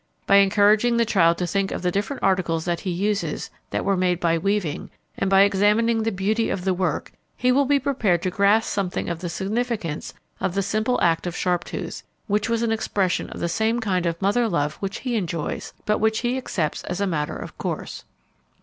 By encouraging the child to think of the different articles that he uses that were made by weaving, and by examining the beauty of the work, he will be prepared to grasp something of the significance of the simple act of Sharptooth, which was an expression of the same kind of mother love which he enjoys, but which he accepts as a matter of course.